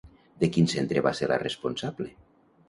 De quin centre va ser la responsable?